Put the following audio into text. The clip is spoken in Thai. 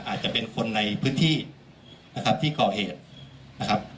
อาจจะเป็นคนในพื้นที่นะครับที่ก่อเหตุนะครับ